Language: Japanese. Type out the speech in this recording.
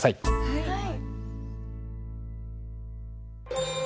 はい。